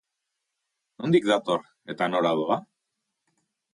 Nondik dator eta nora doa?